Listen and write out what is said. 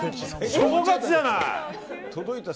正月じゃない！